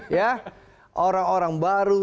ya orang orang baru